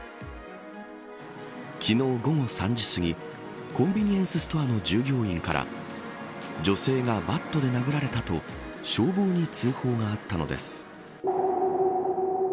昨日午後３時すぎコンビニエンスストアの従業員から女性がバットで殴られたと消防に通報があったのです。